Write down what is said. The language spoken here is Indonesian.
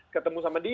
ketemu sama dia